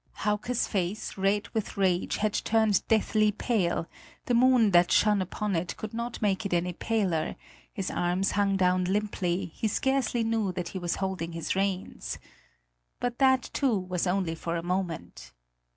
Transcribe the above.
Hauke's face, red with rage, had turned deathly pale; the moon that shone upon it could not make it any paler; his arms hung down limply; he scarcely knew that he was holding his reins. But that, too, was only for a moment.